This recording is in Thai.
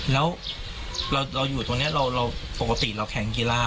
แล้วเราอยู่ตรงนี้เราปกติเราแข่งกีฬา